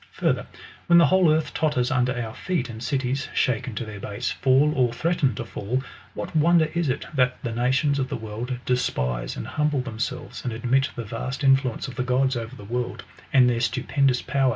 Further, when the whole earth totters under our feet, and cities, shaken to their base, fall or threaten to fall, what wonder is it, that the nations of the world despise and humble them selves, and admit the vast influence of the gods over the world, and their stupendous power to govern all things ?